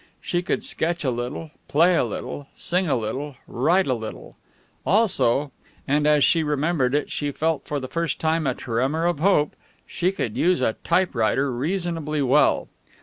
She could sketch a little, play a little, sing a little, write a little. Also and, as she remembered it, she felt for the first time a tremor of hope she could use a typewriter reasonably well.